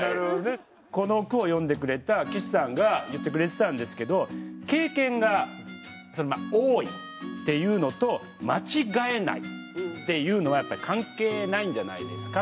この句を詠んでくれた貴志さんが言ってくれてたんですけど経験が多いっていうのと間違えないっていうのはやっぱり関係ないんじゃないですかと。